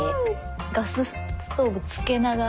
ガスストーブつけながら。